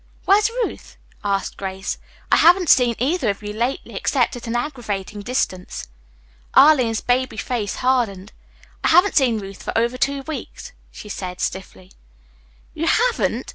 "Where's Ruth?" asked Grace. "I haven't seen either of you lately except at an aggravating distance." Arline's baby face hardened. "I haven't seen Ruth for over two weeks," she said stiffly. "You haven't!"